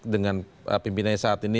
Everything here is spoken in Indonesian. dengan pimpinannya saat ini